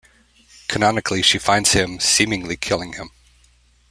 Canonically, she finds him, seemingly killing him.